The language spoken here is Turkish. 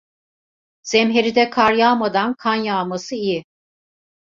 Zemheride kar yağmadan kan yağması iyi.